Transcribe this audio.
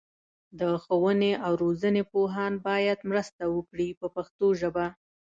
د ښوونې او روزنې پوهان باید مرسته وکړي په پښتو ژبه.